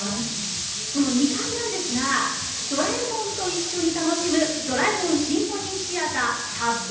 この２階なんですがドラえもんと一緒に楽しむドラえもん交響楽シアターＴＡＰ！